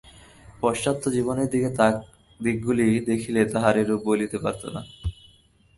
পাশ্চাত্য জীবনের ভাল দিকগুলি দেখিলে তাহারা এরূপ বলিতে পারিত না।